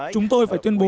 chúng tôi phải tuyên bố